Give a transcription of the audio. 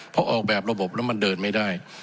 พอออกแบบระบบแล้วมันเดินไม่ได้